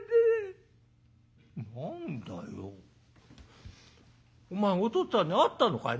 「何だよお前おとっつぁんに会ったのかい？」。